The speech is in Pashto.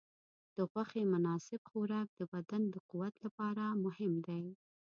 د غوښې مناسب خوراک د بدن د قوت لپاره مهم دی.